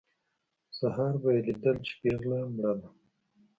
سهار به یې لیدل چې پېغله مړه ده.